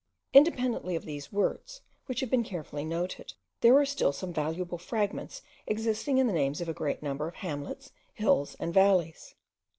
Independently of these words, which have been carefully noted, there are still some valuable fragments existing in the names of a great number of hamlets, hills, and valleys.